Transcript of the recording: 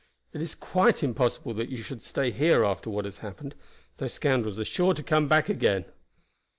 It is quite impossible that you should stay here after what has happened. Those scoundrels are sure to come back again."